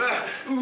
う！